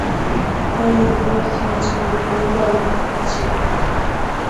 დაიღუპა ერთი მაცხოვრებელი და ორი პოლიციელი.